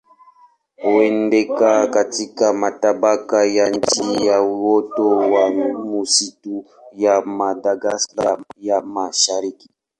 Huenda katika matabaka ya chini ya uoto wa misitu ya Madagaska ya Mashariki.